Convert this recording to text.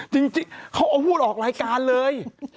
จริงเขาออกรายการเลย